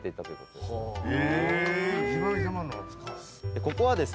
ここはですね